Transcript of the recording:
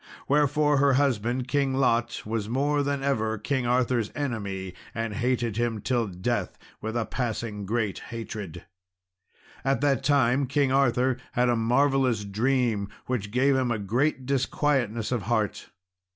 Wherefore her husband, King Lot, was more than ever King Arthur's enemy, and hated him till death with a passing great hatred. At that time King Arthur had a marvellous dream, which gave him great disquietness of heart.